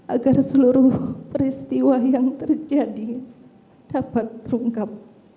agar seluruh peristiwa yang terjadi dapat terungkap